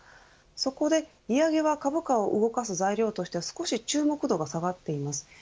そこで利上げは株価動かす材料として少し注目度が下がっています。